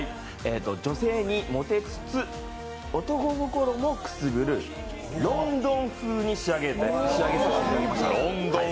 女性にモテつつ、男心もくすぐるロンドン風に仕上げさせていただきました。